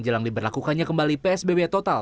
jelang diberlakukannya kembali psbb total